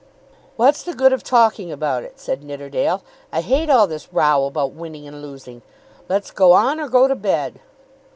"What's the good of talking about it?" said Nidderdale. "I hate all this row about winning and losing. Let's go on, or go to bed."